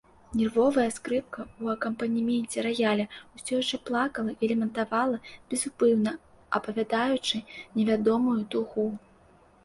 Нервовая скрыпка ў акампанеменце раяля ўсё яшчэ плакала і лямантавала, безупынна апавядаючы невядомую тугу.